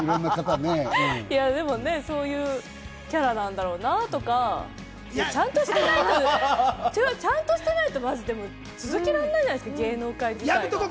でも、そういうキャラなんだろうなとか、ちゃんとしていないと、まず続けられないじゃないですか、芸能界とか。